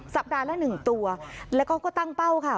สัปดาห์ละหนึ่งตัวแล้วก็ก็ตั้งเป้าค่ะ